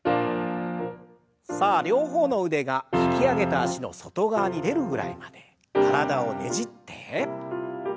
さあ両方の腕が引き上げた脚の外側に出るぐらいまで体をねじって。